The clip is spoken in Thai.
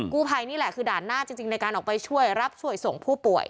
ภัยนี่แหละคือด่านหน้าจริงในการออกไปช่วยรับช่วยส่งผู้ป่วย